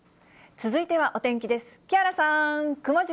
続いてはお天気です。